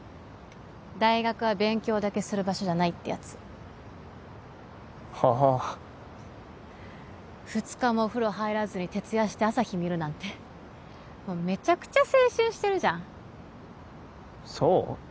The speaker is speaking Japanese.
大学は勉強だけする場所じゃないってやつああ２日もお風呂入らずに徹夜して朝日見るなんてもうめちゃくちゃ青春してるじゃんそう？